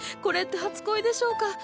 これって初恋でしょうか？